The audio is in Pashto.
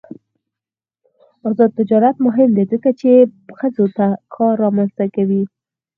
آزاد تجارت مهم دی ځکه چې ښځو ته کار رامنځته کوي.